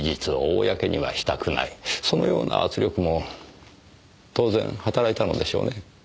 そのような圧力も当然働いたのでしょうね。